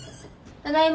ただいま。